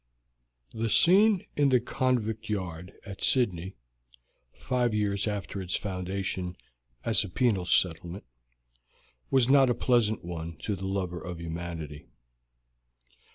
The scene in the convict yard at Sydney, five years after its foundation as a penal settlement, was not a pleasant one to the lover of humanity.